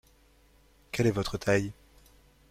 Quelle est votre taille ?